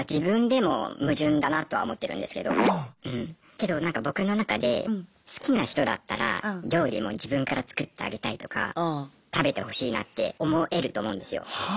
けどなんか僕の中で好きな人だったら料理も自分から作ってあげたいとか食べてほしいなって思えると思うんですよ。